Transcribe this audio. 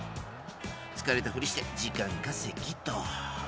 疲れたふりして、時間稼ぎと。